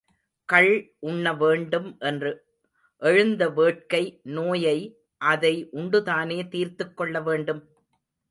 கள் உண்ண வேண்டும் என்று எழுந்த வேட்கை நோயை அதை உண்டுதானே தீர்த்துக் கொள்ளவேண்டும்?